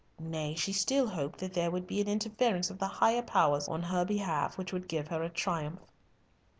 Nay, she still hoped that there would be an interference of the higher powers on her behalf, which would give her a triumph.